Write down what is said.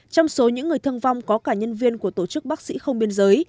trong số những người thương vong có cả nhân viên của tổ chức bác sĩ không biên giới